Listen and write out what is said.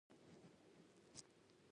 صبر کول د غم د سپکولو لاره ده.